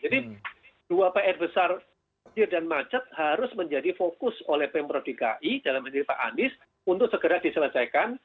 jadi dua pr besar banjir dan macet harus menjadi fokus oleh pembro dki dalam hadir pak andis untuk segera diselesaikan